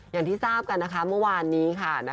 อย่างที่ทราบกันนะคะเมื่อวานนี้ค่ะ